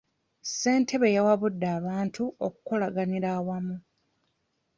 Ssentebe yawabudde abantu okukolaganira awamu.